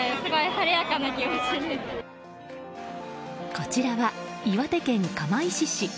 こちらは岩手県釜石市。